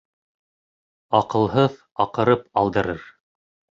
Аҡылһыҙ аҡырып алдырыр.